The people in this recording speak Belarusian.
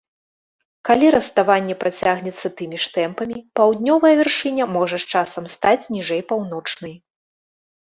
Калі раставанне працягнецца тымі ж тэмпамі, паўднёвая вяршыня можа з часам стаць ніжэй паўночнай.